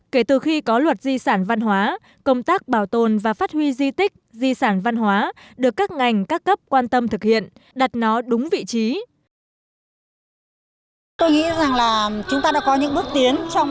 kể từ khi có luật di sản văn hóa công tác bảo tồn và phát huy di tích di sản văn hóa được các ngành các cấp quan tâm thực hiện đặt nó đúng vị trí